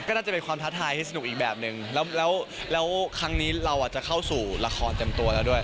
ก็น่าจะเป็นความท้าทายให้สนุกอีกแบบนึงแล้วครั้งนี้เราอาจจะเข้าสู่ละครเต็มตัวแล้วด้วย